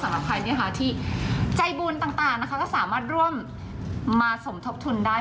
สำหรับใครที่ใจบุญต่างนะคะก็สามารถร่วมมาสมทบทุนได้